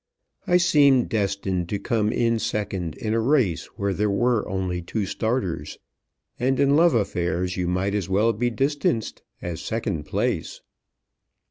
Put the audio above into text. I seemed destined to come in second in a race where there were only two starters, and in love affairs you might as well be distanced as second place.